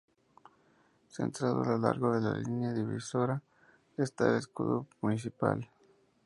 Centrado a lo largo de la línea divisoria está el escudo municipal.